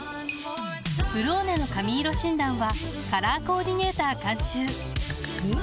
「ブローネ」の髪色診断はカラーコーディネーター監修おっ！